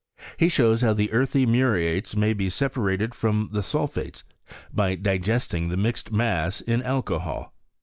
He shows how the earthy muriates may be separated from the sulphates by digesting the mixed mass in alcohol.